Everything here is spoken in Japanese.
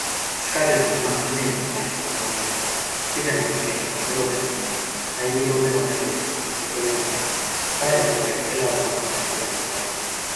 しかるに今主人の彩色を見ると、黄でもなければ黒でもない、灰色でもなければ褐色でもない、さればとてこれらを交ぜた色でもない